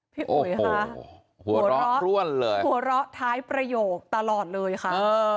โหโหหัวเราะท้ายประโยกตลอดเลยค่ะ